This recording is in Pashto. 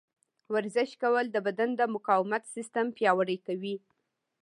ورزش کول د بدن د مقاومت سیستم پیاوړی کوي.